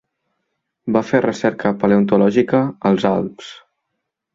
Va fer recerca paleontològica als Alps.